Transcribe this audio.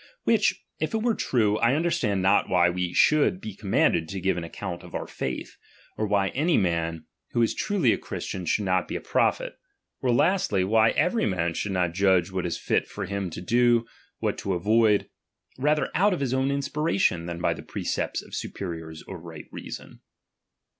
Which, if it were true, I i,i.i.w. understand not why we should be commanded to give an account of our faith ; or why any man, who is truly a Christian, should not be a prophet ; or lastly, why every man should not judge what is fit for him to do, what to avoid, rather out of his own inspiration, than by the precepts of his supe riors or right reason.